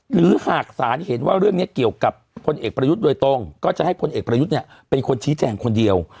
หรือหากศาลเห็นว่าเรื่องนี้เกี่ยวกับพลเอกประยุทธ์โดยตรงก็จะให้พลเอกประยุทธ์เนี่ยเป็นคนชี้แจงคนเดียว